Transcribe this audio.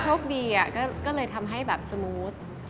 โชคดีก็เลยทำให้แบบสมูท